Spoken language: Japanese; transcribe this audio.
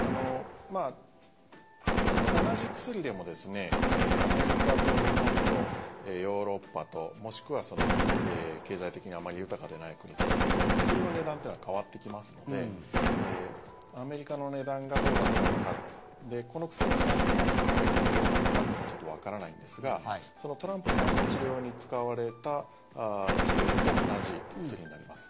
同じ薬でもアメリカと日本とヨーロッパともしくは経済的にあまり豊かでない国とで薬の値段っていうのは変わってきますのでアメリカの値段がどうだったのかこの薬に関してもアメリカでどうなるのかっていうのはちょっとわからないんですがその、トランプさんが治療に使われた薬と同じ薬になります。